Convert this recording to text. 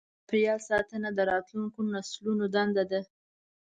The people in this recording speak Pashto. چاپېریال ساتنه د راتلونکو نسلونو دنده ده.